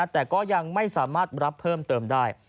แต่ก็ยังไม่สามารถรับเพิ่มเติมได้